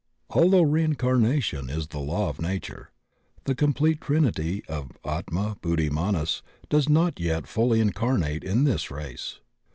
Although reincarnation is the law of nature, the complete trinity of Atma Buddhi Manas does not yet fully incarnate in this race.